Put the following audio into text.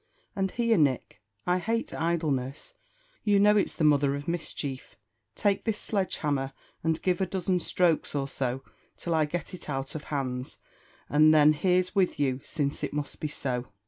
And here, Nick, I hate idleness, you know it's the mother of mischief; take this sledge hammer, and give a dozen strokes or so, till I get it out of hands, and then here's with you, since it must be so."